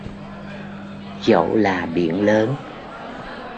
Dẫu là biển lớn